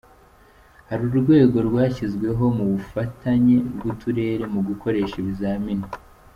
Hari urwego rwashyizweho mu bufatanye bw’uturere mu gukoresha ibizamini.